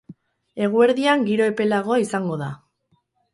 Eguerdian giro epelagoa izango da.